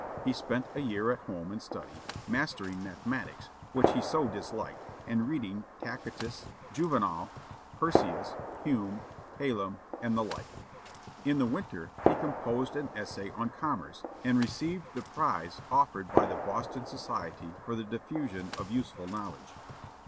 He spent a year at home in study, mastering mathematics, which he so disliked, and reading Tacitus, Juvenal, Persius, Hume, Hallam, and the like. In the winter he composed an essay on commerce, and received the prize offered by the "Boston Society for the Diffusion of Useful Knowledge."